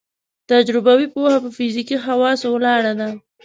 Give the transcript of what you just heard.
تجربوي پوهه په فزیکي حواسو ولاړه ده.